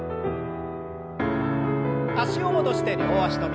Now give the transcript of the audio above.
脚を戻して両脚跳び。